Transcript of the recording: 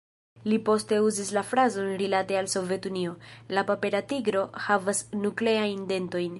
Li poste uzis la frazon rilate al Sovetunio: la "papera tigro havas nukleajn dentojn".